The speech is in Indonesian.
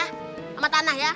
sama tanah ya